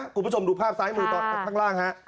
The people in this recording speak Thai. กลุ่มผู้ชมดูภาพซ้ายมือต่อข้างล่าง